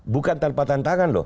bukan tanpa tantangan loh